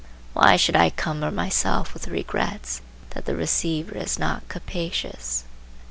Why should I cumber myself with regrets that the receiver is not capacious?